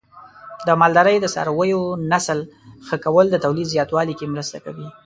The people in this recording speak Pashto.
د مالدارۍ د څارویو نسل ښه کول د تولید زیاتوالي کې مرسته کوي.